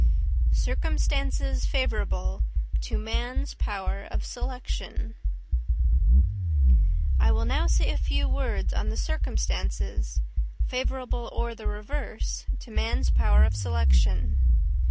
Circumstances favourable to Man's Power of Selection. I will now say a few words on the circumstances, favourable or the reverse, to man's power of selection.